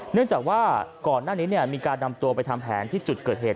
เนื่องจากว่าก่อนหน้านี้มีการนำตัวไปทำแผนที่จุดเกิดเหตุ